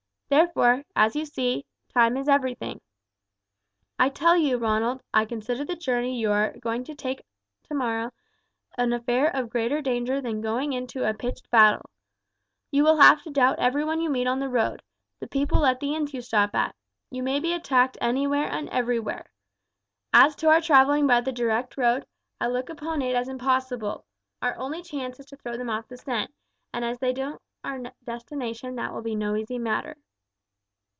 Therefore, as you see, time is everything. I tell you, Ronald, I consider the journey you are going to undertake tomorrow an affair of greater danger than going into a pitched battle. You will have to doubt everyone you meet on the road, the people at the inns you stop at you may be attacked anywhere and everywhere. As to our travelling by the direct road, I look upon it as impossible. Our only chance is to throw them off the scent, and as they know our destination that will be no easy matter."